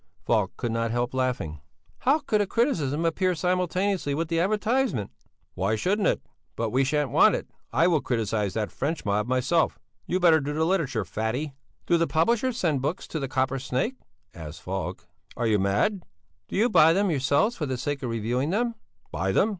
Falk could not help laughing. "How could a criticism appear simultaneously with the advertisement?" "Why shouldn't it? But we shan't want it; I will criticize that French mob myself. You'd better do the literature, Fatty!" "Do the publishers send books to the Copper Snake?" asked Falk. "Are you mad?" "Do you buy them yourselves for the sake of reviewing them?" "Buy them?